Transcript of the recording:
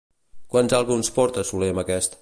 Quants àlbums porta Soler amb aquest?